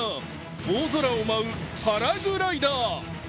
大空を舞うパラグライダー。